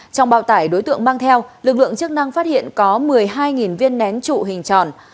trong bào tải đối tượng mang theo lực lượng chức năng phát hiện có một mươi hai viên nén trụ hình tròn